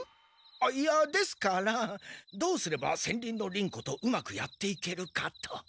あっいやですからどうすれば戦輪の輪子とうまくやっていけるかと。